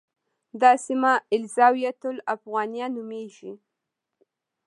دا سیمه الزاویة الافغانیه نومېږي.